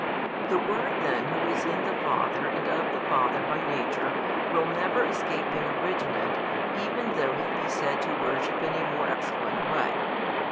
The Word then Who is in the Father and of the Father by Nature will never escape being originate, even though He be said to worship in a more excellent way.